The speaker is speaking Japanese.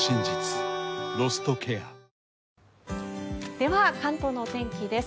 では関東のお天気です。